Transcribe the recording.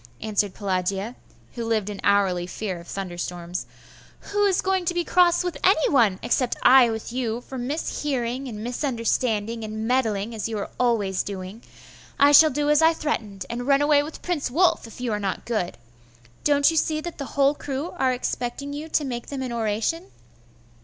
answered Pelagia, who lived in hourly fear of thunderstorms. 'Who is going to be cross with any one, except I with you, for mishearing and misunderstanding, and meddling, as you are always doing? I shall do as I threatened, and run away with Prince Wulf, if you are not good. Don't you see that the whole crew are expecting you to make them an oration?